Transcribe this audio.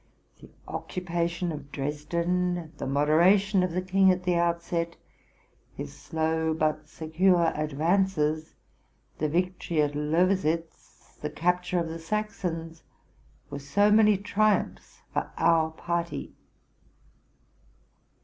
The occupation of Dresden, the modera tion of the king at the outset, his slow but secure advances, the victory at Lowositz, the capture of the Saxons, were so many triumphs for our party.